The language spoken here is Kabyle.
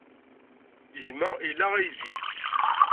Gma ila aydi.